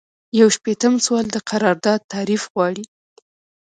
یو شپیتم سوال د قرارداد تعریف غواړي.